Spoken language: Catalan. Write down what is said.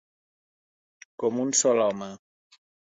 Com un sol home.